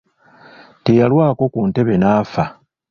Teyalwako ku ntebe n'afa.